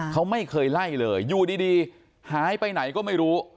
เขาไม่เคยไล่เลยอยู่ดีหายไปไหนก็ไม่รู้